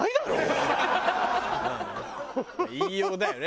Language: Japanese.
言いようだよね